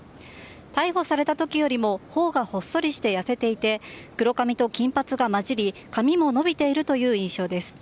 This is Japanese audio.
逮捕された時よりも頬がほっそりして痩せていて黒髪と金髪が交じり髪も伸びている印象です。